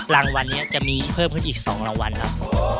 รางวัลนี้จะมีเพิ่มขึ้นอีก๒รางวัลครับ